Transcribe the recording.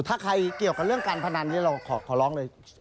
ถ้าใครเกี่ยวกับเรื่องการพนันนี้เราขอร้องเลย